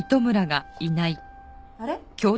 あれ？